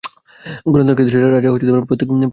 গণতান্ত্রিক দেশে রাজা প্রত্যেক প্রজার অন্তরে।